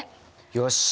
よし。